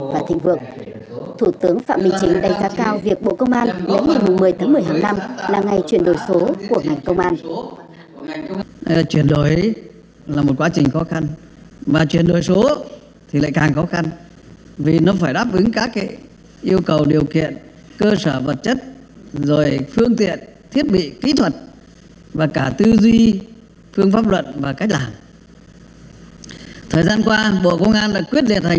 và thịnh vượng thủ tướng phạm minh chính đánh giá cao việc bộ công an đến ngày một mươi tháng một mươi hàng năm là ngày chuyển đổi số của ngành công an